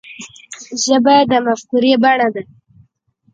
ژبه د مفکورې بڼه ده